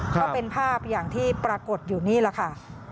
ก็เป็นภาพอย่างที่ปรากฏอยู่นี่แหละค่ะ